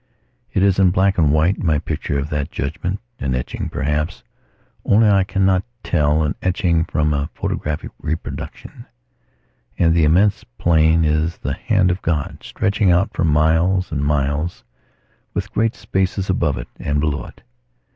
It is in black and white, my picture of that judgement, an etching, perhaps; only I cannot tell an etching from a photographic reproduction. And the immense plain is the hand of God, stretching out for miles and miles, with great spaces above it and below it.